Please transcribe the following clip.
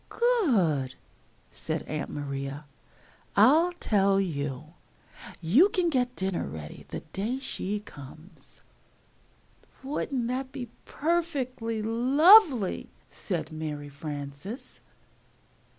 "Good!" said Aunt Maria. "I'll tell you! you can get dinner ready the day she comes!" [Illustration: and apron.] "Wouldn't that be perfectly lovely!" said Mary Frances.